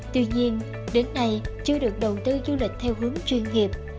tuy nhiên đến nay chưa được đầu tư du lịch theo hướng chuyên nghiệp